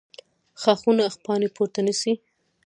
ښاخونه پاڼې پورته نیسي